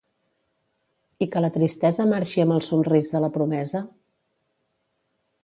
I que la tristesa marxi amb el somrís de la promesa?